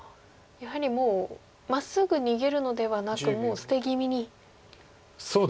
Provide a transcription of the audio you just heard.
やはりまっすぐ逃げるのではなくもう捨て気味に打ってる。